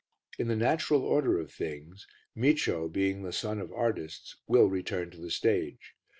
In the natural order of things, Micio, being the son of artists, will return to the stage.